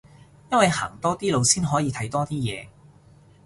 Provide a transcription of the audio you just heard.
因為行多啲路先可以睇多啲嘢